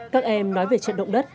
các em nói về trận động đất